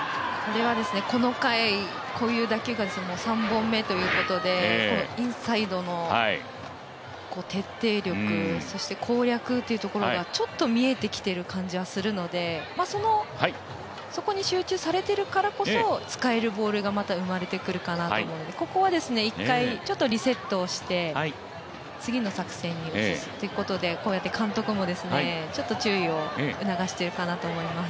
この回、こういう打球が３本目ということでインサイドの徹底力そして攻略というところがちょっと見えてきている感じはするので、そこに集中されているからこそ使えるボールがまた生まれてくるかなと思うのでここは、一回リセットをして次の作戦に移すということでこうやって監督もちょっと注意を促しているかなと思います。